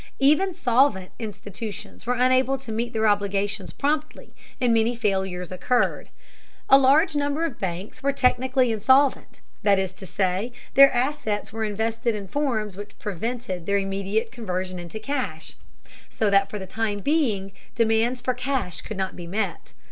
Even solvent institutions were unable to meet their obligations promptly and many failures occurred. A large number of banks were technically insolvent, that is to say, their assets were invested in forms which prevented their immediate conversion into cash, so that for the time being demands for cash could not be met.